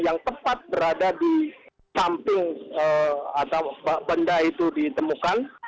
yang tepat berada di samping atau benda itu ditemukan